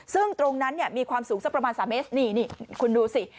ซึ่งตรงนั้นเนี่ยมีความสูงสักประมาณ๓เมตรนี่นี่คุณดูสิ